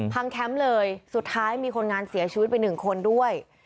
แคมป์เลยสุดท้ายมีคนงานเสียชีวิตไปหนึ่งคนด้วย